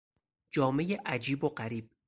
جامهی عجیب و غریب